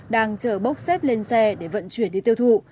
đang chở bốc xếp lên xe để vận chuyển đi tiêu thụ